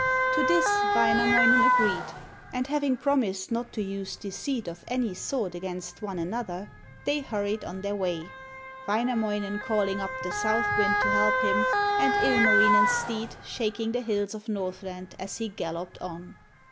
To this Wainamoinen agreed; and having promised not to use deceit of any sort against one another, they hurried on their way, Wainamoinen calling up the south wind to help him, and Ilmarinen's steed shaking the hills of Northland as he galloped on.